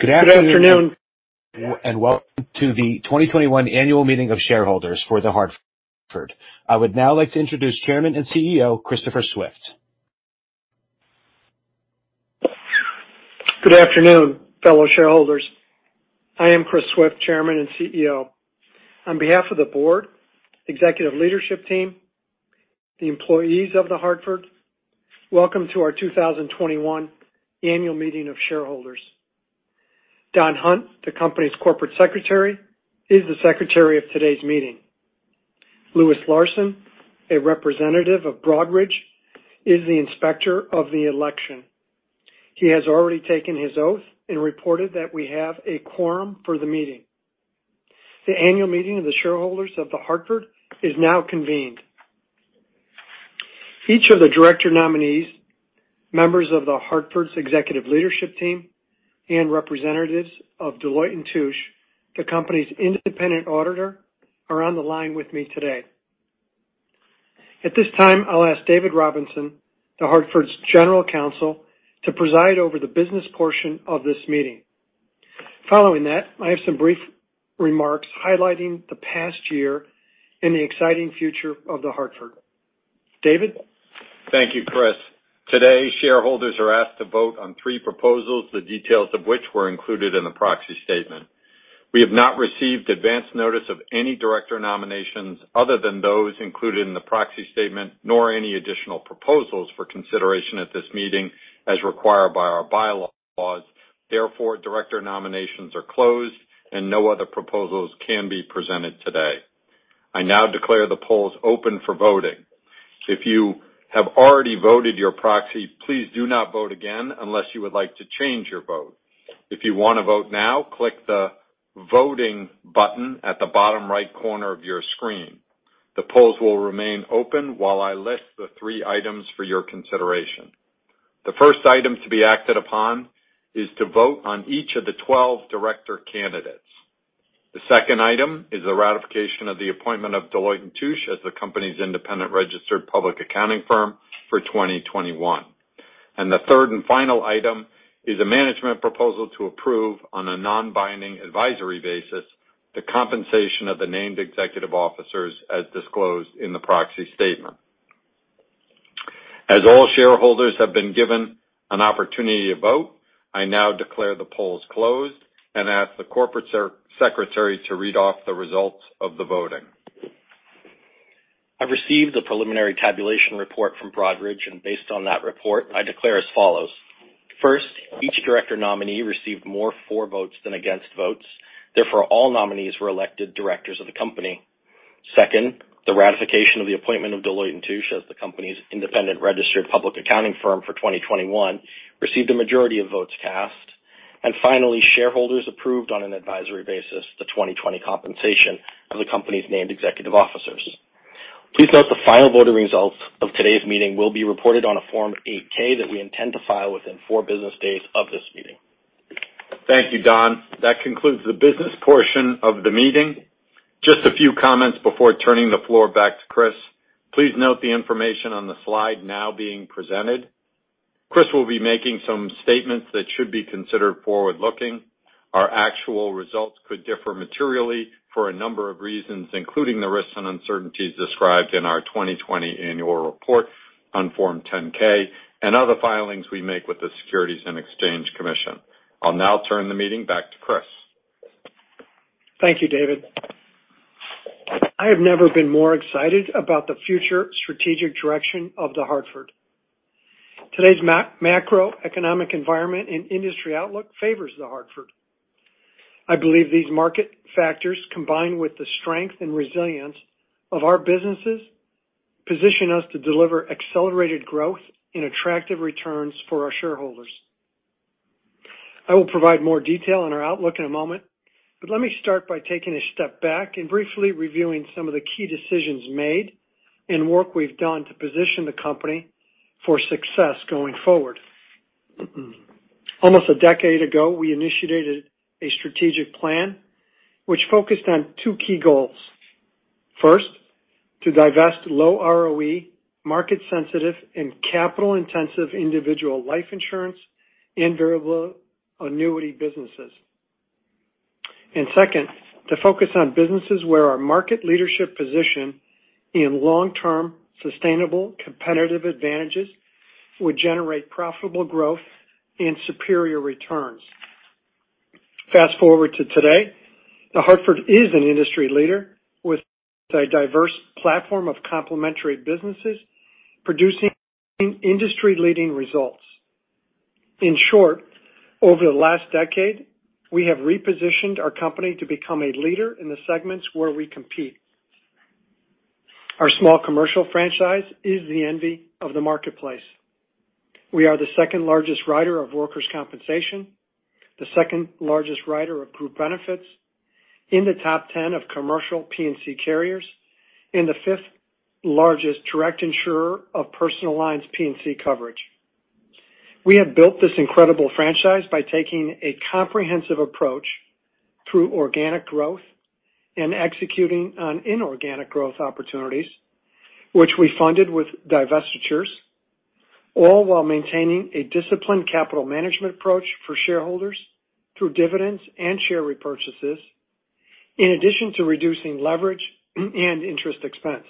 Good afternoon, and welcome to the 2021 annual meeting of shareholders for The Hartford. I would now like to introduce Chairman and CEO, Christopher Swift. Good afternoon, fellow shareholders. I am Chris Swift, Chairman and CEO. On behalf of the board, executive leadership team, the employees of The Hartford, welcome to our 2021 annual meeting of shareholders. Don Hunt, the company's corporate secretary, is the secretary of today's meeting. Louis Larson, a representative of Broadridge, is the inspector of the election. He has already taken his oath and reported that we have a quorum for the meeting. The annual meeting of the shareholders of The Hartford is now convened. Each of the director nominees, members of The Hartford's executive leadership team, and representatives of Deloitte & Touche, the company's independent auditor, are on the line with me today. At this time, I'll ask David Robinson, The Hartford's General Counsel, to preside over the business portion of this meeting. Following that, I have some brief remarks highlighting the past year and the exciting future of The Hartford. David? Thank you, Chris. Today, shareholders are asked to vote on three proposals, the details of which were included in the proxy statement. We have not received advanced notice of any director nominations other than those included in the proxy statement, nor any additional proposals for consideration at this meeting, as required by our bylaws. Therefore, director nominations are closed and no other proposals can be presented today. I now declare the polls open for voting. If you have already voted your proxy, please do not vote again unless you would like to change your vote. If you want to vote now, click the voting button at the bottom right corner of your screen. The polls will remain open while I list the three items for your consideration. The first item to be acted upon is to vote on each of the 12 director candidates. The second item is the ratification of the appointment of Deloitte & Touche as the company's independent registered public accounting firm for 2021. The third and final item is a management proposal to approve, on a non-binding advisory basis, the compensation of the named executive officers as disclosed in the proxy statement. As all shareholders have been given an opportunity to vote, I now declare the polls closed and ask the corporate secretary to read off the results of the voting. I've received the preliminary tabulation report from Broadridge, and based on that report, I declare as follows: First, each director nominee received more for votes than against votes. Therefore, all nominees were elected directors of the company. Second, the ratification of the appointment of Deloitte & Touche as the company's independent registered public accounting firm for 2021 received a majority of votes cast. And finally, shareholders approved, on an advisory basis, the 2020 compensation of the company's named executive officers. Please note the final voting results of today's meeting will be reported on a Form 8-K that we intend to file within four business days of this meeting. Thank you, Don. That concludes the business portion of the meeting. Just a few comments before turning the floor back to Chris. Please note the information on the slide now being presented. Chris will be making some statements that should be considered forward-looking. Our actual results could differ materially for a number of reasons, including the risks and uncertainties described in our 2020 annual report on Form 10-K and other filings we make with the Securities and Exchange Commission. I'll now turn the meeting back to Chris. Thank you, David. I have never been more excited about the future strategic direction of The Hartford. Today's macroeconomic environment and industry outlook favors The Hartford. I believe these market factors, combined with the strength and resilience of our businesses, position us to deliver accelerated growth and attractive returns for our shareholders. I will provide more detail on our outlook in a moment, but let me start by taking a step back and briefly reviewing some of the key decisions made and work we've done to position the company for success going forward. Almost a decade ago, we initiated a strategic plan which focused on two key goals. First, to divest low ROE, market sensitive, and capital intensive individual life insurance and variable annuity businesses, and second, to focus on businesses where our market leadership position in long-term, sustainable, competitive advantages would generate profitable growth and superior returns. Fast forward to today, The Hartford is an industry leader with a diverse platform of complementary businesses producing industry-leading results. In short, over the last decade, we have repositioned our company to become a leader in the segments where we compete. Our small commercial franchise is the envy of the marketplace. We are the second largest writer of workers' compensation, the second largest writer of group benefits, in the top ten of commercial P&C carriers, and the fifth largest direct insurer of personal lines P&C coverage. We have built this incredible franchise by taking a comprehensive approach through organic growth and executing on inorganic growth opportunities, which we funded with divestitures, all while maintaining a disciplined capital management approach for shareholders through dividends and share repurchases, in addition to reducing leverage and interest expense.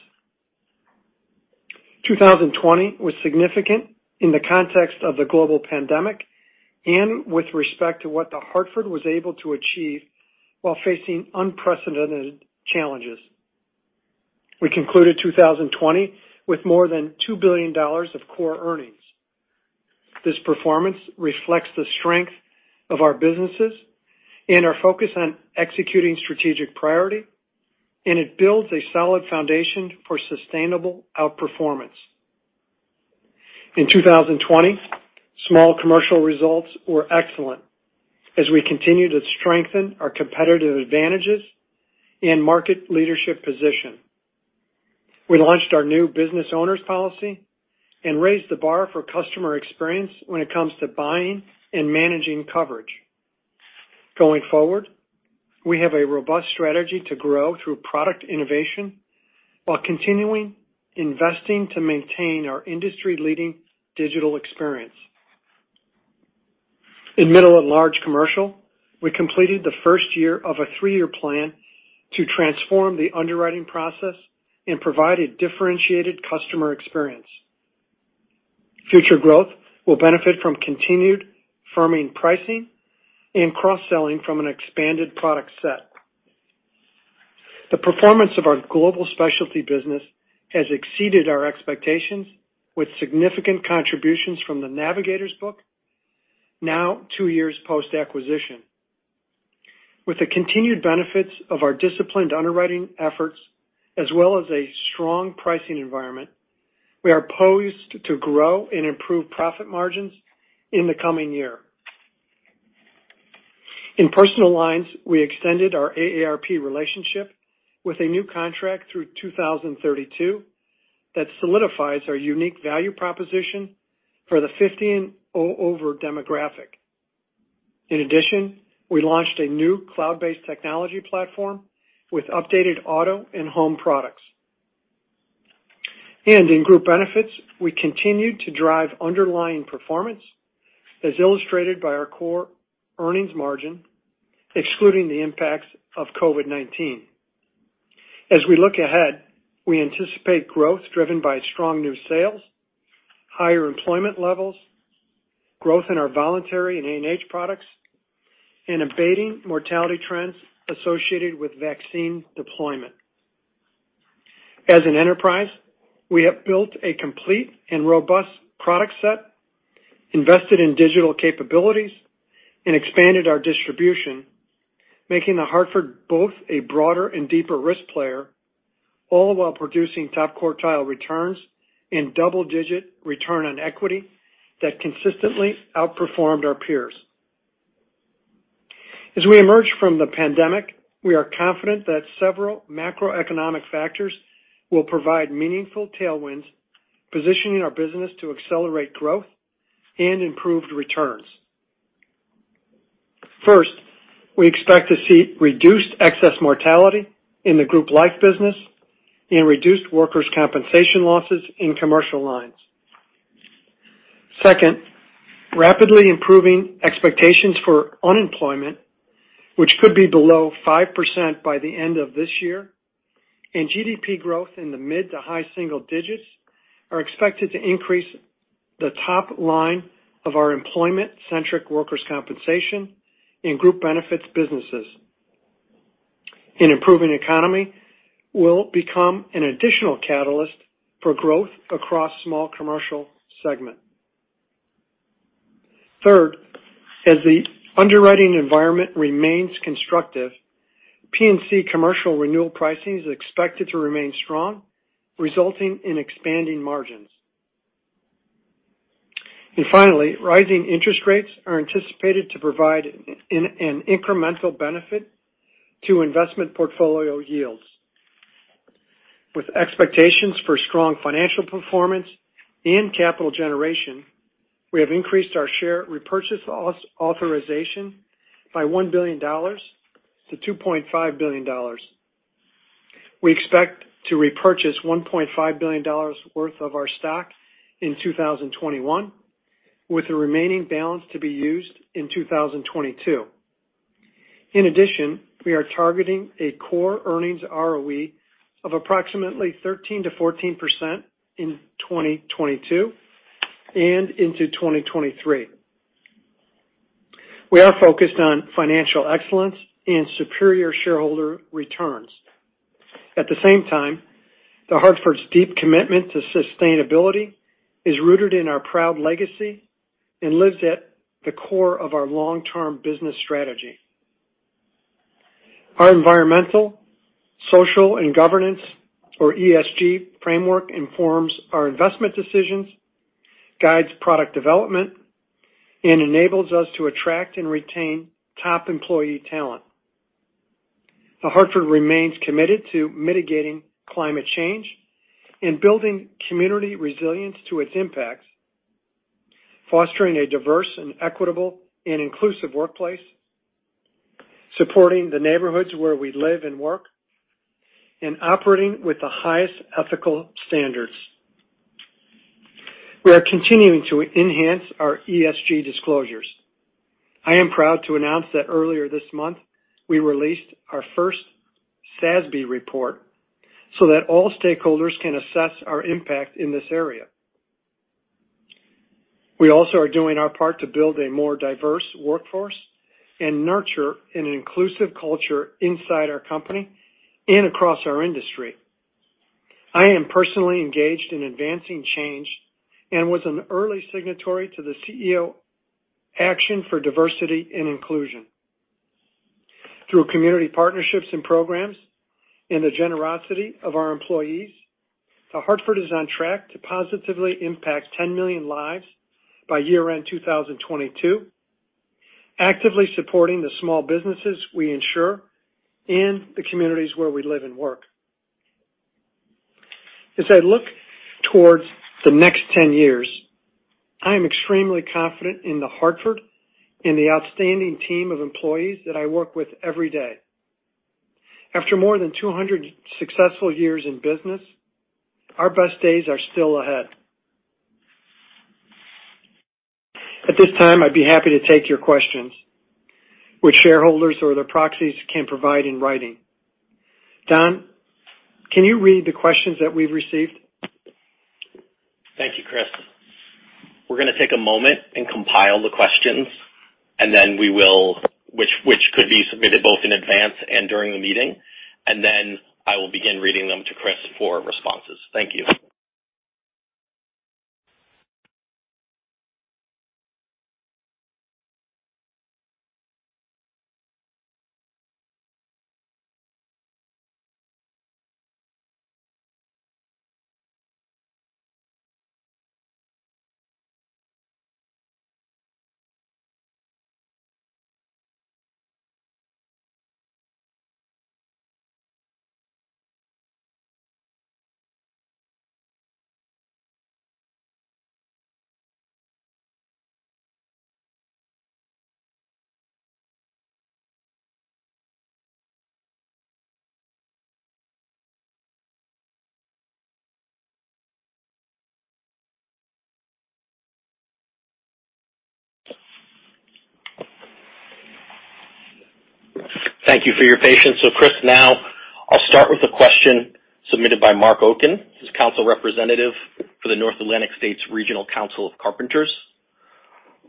Two thousand and twenty was significant in the context of the global pandemic and with respect to what The Hartford was able to achieve while facing unprecedented challenges. We concluded two thousand and twenty with more than $2 billion of Core Earnings. This performance reflects the strength of our businesses and our focus on executing strategic priority, and it builds a solid foundation for sustainable outperformance. In two thousand and twenty, small commercial results were excellent as we continued to strengthen our competitive advantages and market leadership position. We launched our new Business Owners Policy and raised the bar for customer experience when it comes to buying and managing coverage. Going forward, we have a robust strategy to grow through product innovation while continuing investing to maintain our industry-leading digital experience. In middle and large commercial, we completed the first year of a three-year plan to transform the underwriting process and provide a differentiated customer experience. Future growth will benefit from continued firming pricing and cross-selling from an expanded product set. The performance of our global specialty business has exceeded our expectations, with significant contributions from the Navigators book, now two years post-acquisition. With the continued benefits of our disciplined underwriting efforts, as well as a strong pricing environment, we are poised to grow and improve profit margins in the coming year. In personal lines, we extended our AARP relationship with a new contract through 2032 that solidifies our unique value proposition for the fifty and over demographic. In addition, we launched a new cloud-based technology platform with updated auto and home products. In group benefits, we continued to drive underlying performance, as illustrated by our core earnings margin, excluding the impacts of COVID-19. As we look ahead, we anticipate growth driven by strong new sales, higher employment levels, growth in our voluntary and A&H products, and abating mortality trends associated with vaccine deployment. As an enterprise, we have built a complete and robust product set, invested in digital capabilities, and expanded our distribution, making The Hartford both a broader and deeper risk player, all while producing top quartile returns and double-digit return on equity that consistently outperformed our peers. As we emerge from the pandemic, we are confident that several macroeconomic factors will provide meaningful tailwinds, positioning our business to accelerate growth and improved returns. First, we expect to see reduced excess mortality in the group life business and reduced workers' compensation losses in commercial lines. Second, rapidly improving expectations for unemployment, which could be below 5% by the end of this year, and GDP growth in the mid to high single digits, are expected to increase the top line of our employment-centric workers' compensation in group benefits businesses. An improving economy will become an additional catalyst for growth across small commercial segment. Third, as the underwriting environment remains constructive, P&C commercial renewal pricing is expected to remain strong, resulting in expanding margins. And finally, rising interest rates are anticipated to provide an incremental benefit to investment portfolio yields. With expectations for strong financial performance and capital generation, we have increased our share repurchase authorization by $1 billion-$2.5 billion. We expect to repurchase $1.5 billion worth of our stock in 2021, with the remaining balance to be used in 2022. In addition, we are targeting a core earnings ROE of approximately 13%-14% in 2022 and into 2023. We are focused on financial excellence and superior shareholder returns. At the same time, The Hartford's deep commitment to sustainability is rooted in our proud legacy and lives at the core of our long-term business strategy. Our environmental, social, and governance, or ESG framework, informs our investment decisions, guides product development, and enables us to attract and retain top employee talent. The Hartford remains committed to mitigating climate change and building community resilience to its impacts, fostering a diverse and equitable and inclusive workplace, supporting the neighborhoods where we live and work, and operating with the highest ethical standards. We are continuing to enhance our ESG disclosures. I am proud to announce that earlier this month, we released our first SASB report so that all stakeholders can assess our impact in this area. We also are doing our part to build a more diverse workforce and nurture an inclusive culture inside our company and across our industry. I am personally engaged in advancing change and was an early signatory to the CEO Action for Diversity and Inclusion. Through community partnerships and programs and the generosity of our employees, The Hartford is on track to positively impact 10 million lives by year-end 2022, actively supporting the small businesses we insure and the communities where we live and work. As I look towards the next ten years, I am extremely confident in The Hartford and the outstanding team of employees that I work with every day. After more than two hundred successful years in business, our best days are still ahead. At this time, I'd be happy to take your questions, which shareholders or their proxies can provide in writing. Don, can you read the questions that we've received? Thank you, Chris. We're gonna take a moment and compile the questions, and then which could be submitted both in advance and during the meeting, and then I will begin reading them to Chris for responses. Thank you. Thank you for your patience. So, Chris, now I'll start with a question submitted by Mark Oaken, his council representative for the North Atlantic States Regional Council of Carpenters.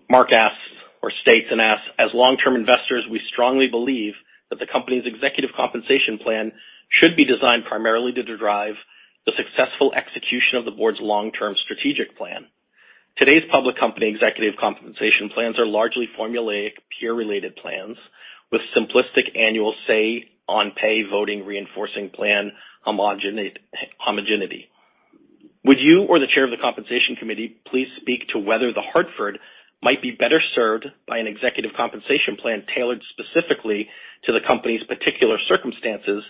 Mark asks or states and asks: As long-term investors, we strongly believe that the company's executive compensation plan should be designed primarily to derive the successful execution of the board's long-term strategic plan. Today's public company executive compensation plans are largely formulaic, peer-related plans with simplistic annual say-on-pay voting, reinforcing plan homogeneity. Would you or the chair of the compensation committee please speak to whether The Hartford might be better served by an executive compensation plan tailored specifically to the company's particular circumstances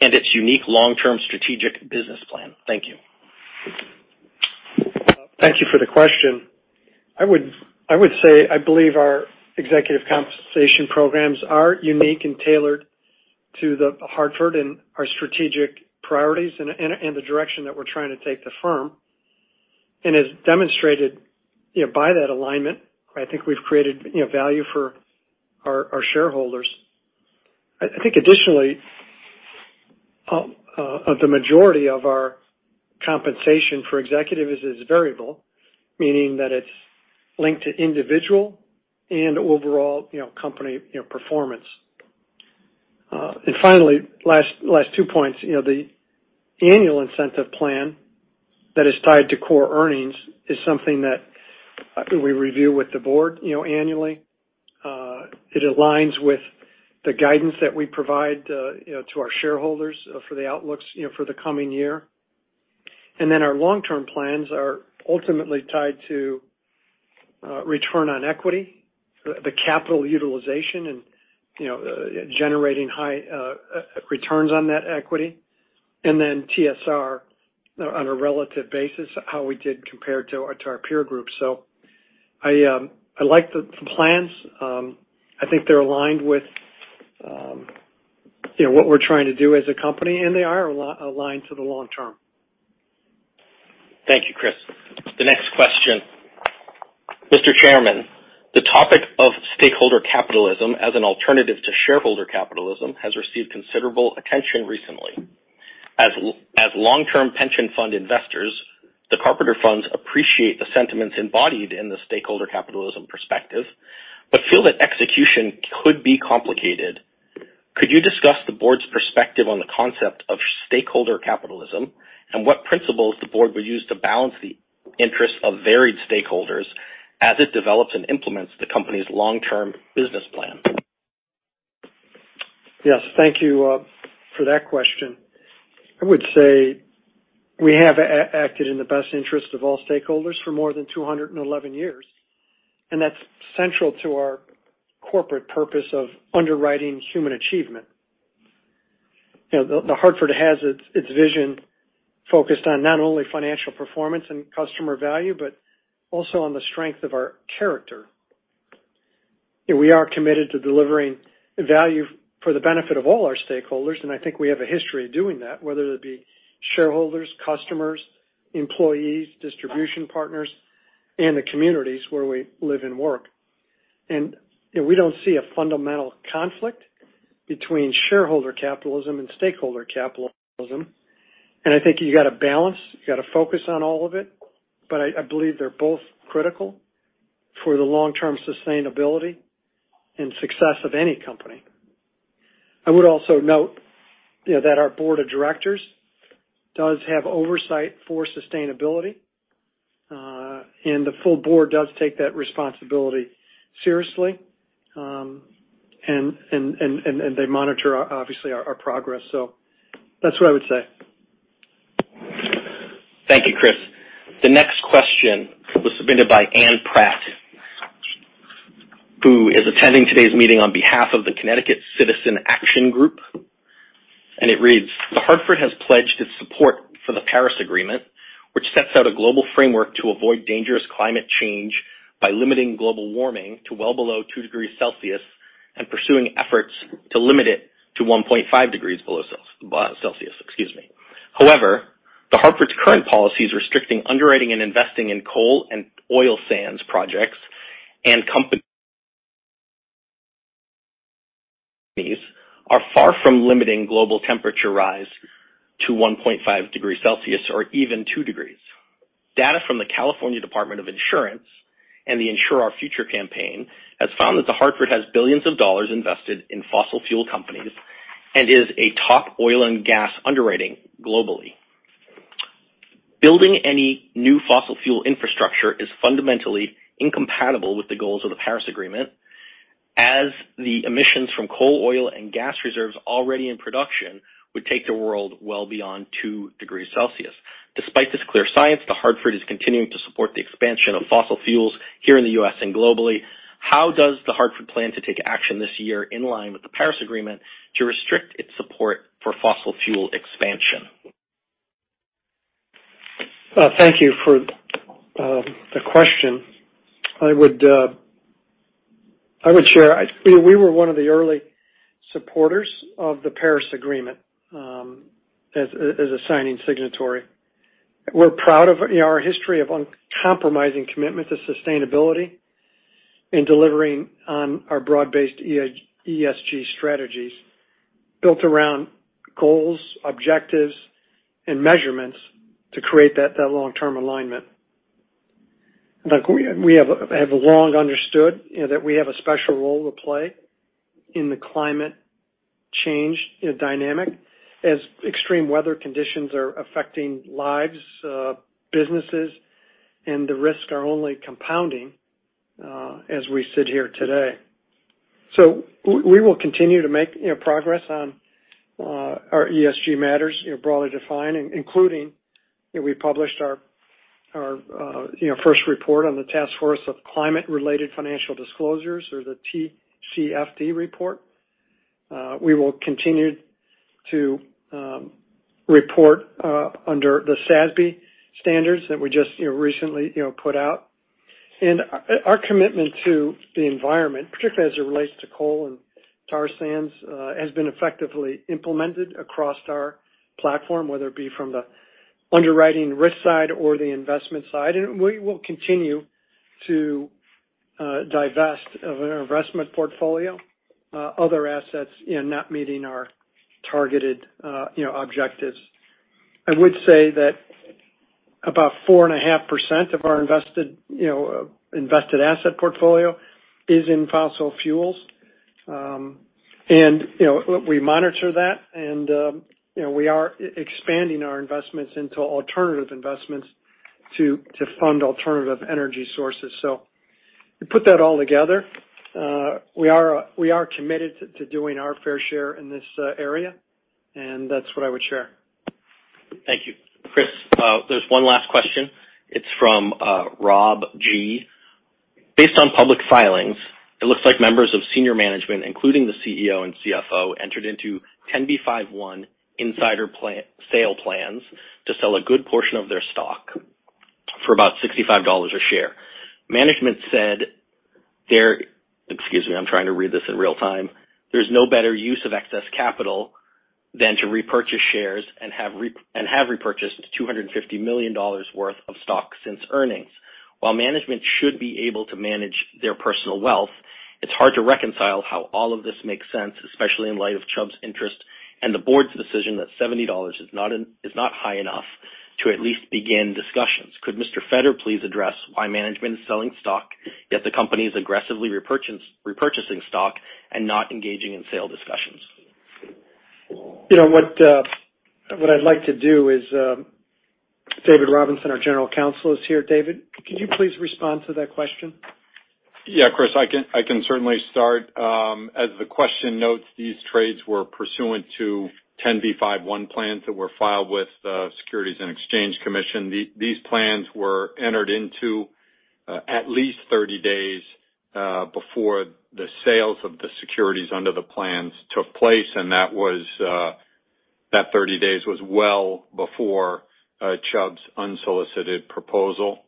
and its unique long-term strategic business plan? Thank you. Thank you for the question. I would say I believe our executive compensation programs are unique and tailored to The Hartford and our strategic priorities and the direction that we're trying to take the firm. And as demonstrated, you know, by that alignment, I think we've created, you know, value for our shareholders. I think additionally, the majority of our compensation for executives is variable, meaning that it's linked to individual and overall, you know, company, you know, performance. And finally, last two points. You know, the annual incentive plan that is tied to core earnings is something that we review with the board, you know, annually. It aligns with the guidance that we provide, you know, to our shareholders for the outlooks, you know, for the coming year. And then our long-term plans are ultimately tied to return on equity, the capital utilization and, you know, generating high returns on that equity, and then TSR on a relative basis, how we did compare to our peer group. So I like the plans. I think they're aligned with, you know, what we're trying to do as a company, and they are aligned to the long term. Thank you, Chris. The next question: Mr. Chairman, the topic of stakeholder capitalism as an alternative to shareholder capitalism has received considerable attention recently. As long-term pension fund investors, the Carpenter funds appreciate the sentiments embodied in the stakeholder capitalism perspective, but feel that execution could be complicated. Could you discuss the board's perspective on the concept of stakeholder capitalism, and what principles the board will use to balance the interests of varied stakeholders as it develops and implements the company's long-term business plan? Yes, thank you for that question. I would say we have acted in the best interest of all stakeholders for more than two hundred and eleven years, and that's central to our corporate purpose of underwriting human achievement. You know, The Hartford has its vision focused on not only financial performance and customer value, but also on the strength of our character. We are committed to delivering value for the benefit of all our stakeholders, and I think we have a history of doing that, whether it be shareholders, customers, employees, distribution partners, and the communities where we live and work. And, you know, we don't see a fundamental conflict between shareholder capitalism and stakeholder capitalism. And I think you got to balance, you got to focus on all of it, but I believe they're both critical for the long-term sustainability and success of any company. I would also note, you know, that our board of directors does have oversight for sustainability, and the full board does take that responsibility seriously, and they monitor our progress, obviously. So that's what I would say. Thank you, Chris. The next question was submitted by Anne Pratt, who is attending today's meeting on behalf of the Connecticut Citizen Action Group, and it reads: The Hartford has pledged its support for the Paris Agreement, which sets out a global framework to avoid dangerous climate change by limiting global warming to well below two degrees Celsius and pursuing efforts to limit it to 1.5 degrees below Celsius. Excuse me. However, The Hartford's current policies restricting underwriting and investing in coal and oil sands projects and companies are far from limiting global temperature rise to one point five degrees Celsius or even two degrees. Data from the California Department of Insurance and the Insure Our Future campaign has found that The Hartford has billions of dollars invested in fossil fuel companies and is a top oil and gas underwriting globally. Building any new fossil fuel infrastructure is fundamentally incompatible with the goals of the Paris Agreement, as the emissions from coal, oil, and gas reserves already in production would take the world well beyond two degrees Celsius. Despite this clear science, The Hartford is continuing to support the expansion of fossil fuels here in the U.S. and globally. How does The Hartford plan to take action this year in line with the Paris Agreement to restrict its support for fossil fuel expansion? Thank you for the question. I would share, we were one of the early supporters of the Paris Agreement, as a signing signatory. We're proud of, you know, our history of uncompromising commitment to sustainability and delivering on our broad-based ESG strategies built around goals, objectives, and measurements to create that long-term alignment. Look, we have long understood, you know, that we have a special role to play in the climate change, you know, dynamic, as extreme weather conditions are affecting lives, businesses, and the risks are only compounding as we sit here today. So we will continue to make, you know, progress on our ESG matters, you know, broadly defined, including, you know, we published our first report on the Task Force of Climate-Related Financial Disclosures, or the TCFD report. We will continue to report under the SASB standards that we just, you know, recently, you know, put out. And our commitment to the environment, particularly as it relates to coal and tar sands, has been effectively implemented across our platform, whether it be from the underwriting risk side or the investment side, and we will continue to divest of our investment portfolio, other assets, you know, not meeting our targeted, you know, objectives. I would say that about 4.5% of our invested, you know, invested asset portfolio is in fossil fuels. And, you know, we monitor that, and, you know, we are expanding our investments into alternative investments to fund alternative energy sources. So you put that all together, we are committed to doing our fair share in this area, and that's what I would share. Thank you. Chris, there's one last question. It's from Rob G. Based on public filings, it looks like members of senior management, including the CEO and CFO, entered into 10b5-1 insider plans to sell a good portion of their stock for about $65 a share. Management said there. Excuse me, I'm trying to read this in real time. There's no better use of excess capital than to repurchase shares and have repurchased $250 million worth of stock since earnings. While management should be able to manage their personal wealth, it's hard to reconcile how all of this makes sense, especially in light of Chubb's interest and the board's decision that $70 is not high enough to at least begin discussions. Could Mr. Fetter, please address why management is selling stock, yet the company is aggressively repurchasing stock and not engaging in sale discussions? You know what, what I'd like to do is, David Robinson, our general counsel, is here. David, could you please respond to that question? Yeah, Chris, I can, I can certainly start. As the question notes, these trades were pursuant to 10b5-1 plans that were filed with the Securities and Exchange Commission. These plans were entered into at least thirty days before the sales of the securities under the plans took place, and that thirty days was well before Chubb's unsolicited proposal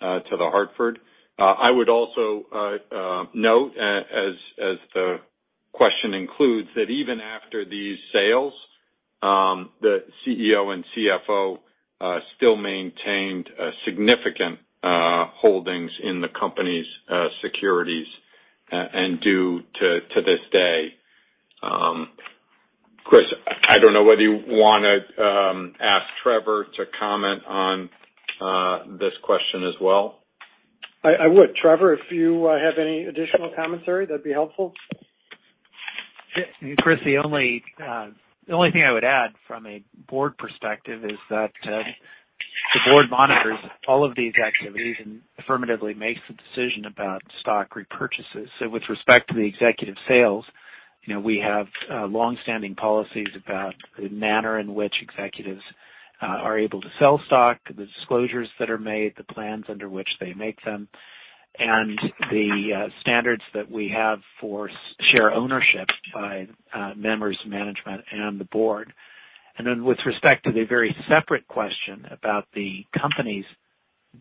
to The Hartford. I would also note, as the question includes, that even after these sales, the CEO and CFO still maintained significant holdings in the company's securities, and do so to this day. Chris, I don't know whether you wanna ask Trevor to comment on this question as well? I would. Trevor, if you have any additional commentary, that'd be helpful. Chris, the only thing I would add from a board perspective is that the board monitors all of these activities and affirmatively makes the decision about stock repurchases. So with respect to the executive sales, you know, we have long-standing policies about the manner in which executives are able to sell stock, the disclosures that are made, the plans under which they make them, and the standards that we have for share ownership by members of management and the board. And then with respect to the very separate question about the company's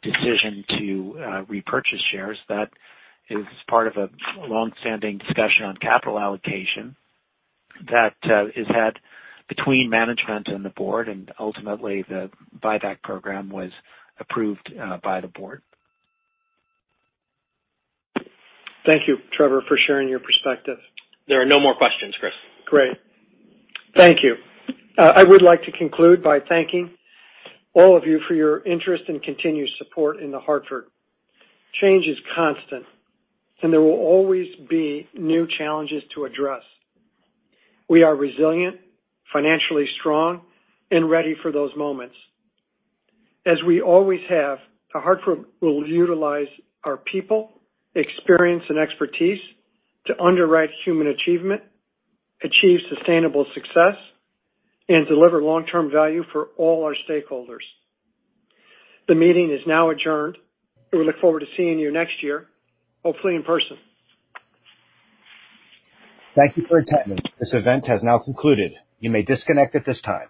decision to repurchase shares, that is part of a long-standing discussion on capital allocation that is had between management and the board, and ultimately, the buyback program was approved by the board. Thank you, Trevor, for sharing your perspective. There are no more questions, Chris. Great. Thank you. I would like to conclude by thanking all of you for your interest and continued support in The Hartford. Change is constant, and there will always be new challenges to address. We are resilient, financially strong, and ready for those moments. As we always have, The Hartford will utilize our people, experience, and expertise to underwrite human achievement, achieve sustainable success, and deliver long-term value for all our stakeholders. The meeting is now adjourned. We look forward to seeing you next year, hopefully in person. Thank you for attending. This event has now concluded. You may disconnect at this time.